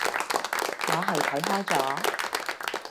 我係睇開咗